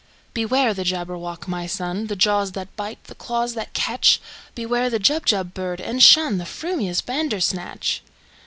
"Beware the Jabberwock, my son! The jaws that bite, the claws that catch! Beware the Jubjub bird, and shunThe frumious Bandersnatch!"